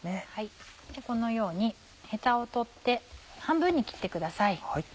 このようにヘタを取って半分に切ってください。